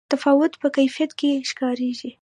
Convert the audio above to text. تفاوت په کیفیت کې ښکاري.